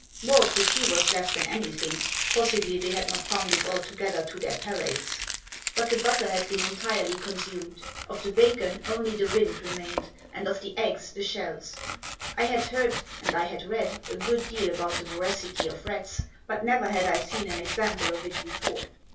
More of the tea was left than anything; possibly they had not found it altogether to their palates. But the butter had been entirely consumed; of the bacon, only the rind remained, and of the eggs the shells. I had heard, and I had read, a good deal about the voracity of rats, but never had I seen an example of it before.